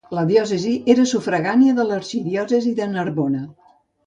La diòcesi era sufragània de l'arxidiòcesi de Narbona.